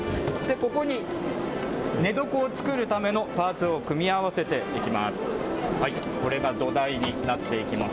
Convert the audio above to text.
ここに寝床を作るためのパーツを組み合わせていきます。